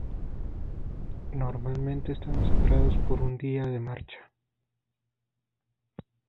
Normalmente estaban separados por un día de marcha.